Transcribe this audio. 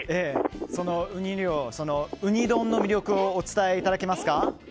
そのウニ漁、ウニ丼の魅力をお伝えいただけますか。